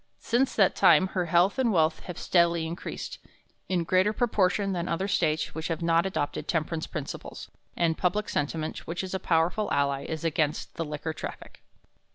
Since that time her health and wealth have steadily increased, in greater proportion than other States which have not adopted temperance principles; and public sentiment, which is a powerful ally, is against the liquor traffic.